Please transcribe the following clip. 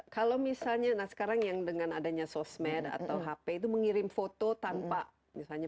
kalau misalnya nah sekarang yang dengan adanya sosmed atau hp itu mengirim foto tanpa misalnya